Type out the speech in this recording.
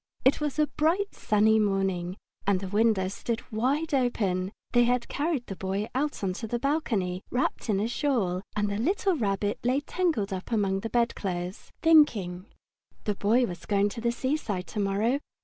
It was a bright, sunny morning, and the windows stood wide open. They had carried the Boy out on to the balcony, wrapped in a shawl, and the little Rabbit lay tangled up among the bedclothes, thinking. The Boy was going to the seaside to morrow.